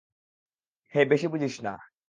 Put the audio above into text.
বেশি বুঝিস না।